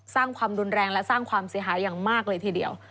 สร้างความรุนแรงและสร้างความเสียหายอย่างมากเลยทีเดียว